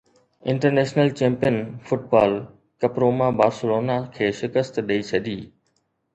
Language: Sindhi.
انٽرنيشنل چيمپيئن فٽبال ڪپروما بارسلونا کي شڪست ڏئي ڇڏي